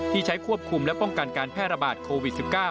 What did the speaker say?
ใช้ควบคุมและป้องกันการแพร่ระบาดโควิด๑๙